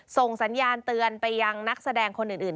ส่งสัญญาณเตือนไปยังนักแสดงคนอื่น